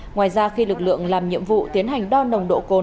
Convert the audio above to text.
ngoài ra khi lực lượng làm nhiệm vụ tiến hành đo nồng độ cồn